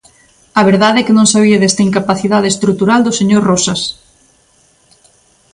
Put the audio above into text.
A verdade é que non sabía desta incapacidade estrutural do señor Roxas.